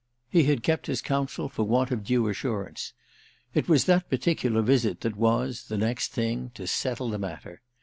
He had kept his counsel for want of due assurance: it was that particular visit that was, the next thing, to settle the matter.